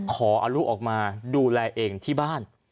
ขอเอาลูกออกมาดูแลเองที่บ้าน